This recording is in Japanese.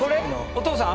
お父さん？